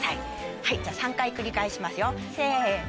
はいじゃあ３回繰り返しますよせの。